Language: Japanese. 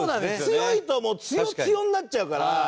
強いと強強になっちゃうから。